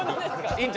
院長